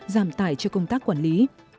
giảm tải cho công tác quản lý